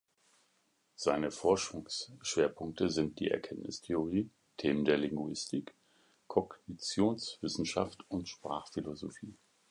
Seine Forschungsschwerpunkte sind die Erkenntnistheorie, Themen der Linguistik, Kognitionswissenschaft und Sprachphilosophie.